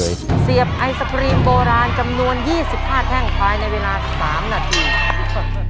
เสียบไอศครีมโบราณจำนวน๒๕แท่งภายในเวลา๓นาที